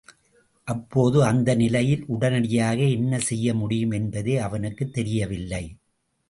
அப்போது, அந்த நிலையில் உடனடியாக என்ன செய்ய முடியும்? என்பதே அவனுக்குத் தெரியவில்லை.